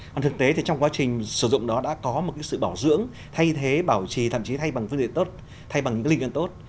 còn thực tế thì trong quá trình sử dụng đó đã có một cái sự bảo dưỡng thay thế bảo trì thậm chí thay bằng phương diện tốt thay bằng linh cân tốt